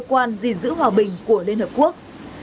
quan giữ hòa bình của liên hợp quốc